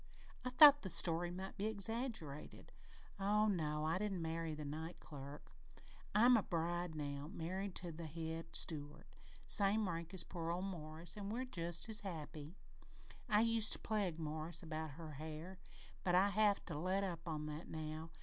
I thought the story might be exaggerated. Oh no, I didn't marry the night clerk. I'm a bride now, married to the head steward, same rank as poor old Morris an' we're just as happy! I used to pleg Morris about her hair, but I'd have to let up on that now.